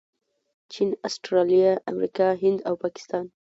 چین، اسټرلیا، امریکا، هند او پاکستان